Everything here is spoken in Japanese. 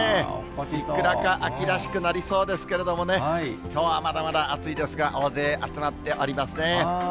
いくらか秋らしくなりそうですけどもね、きょうはまだまだ暑いですが、大勢集まっておりますね。